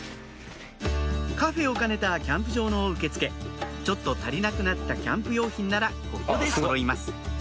カフェを兼ねたキャンプ場の受付ちょっと足りなくなったキャンプ用品ならここでそろいます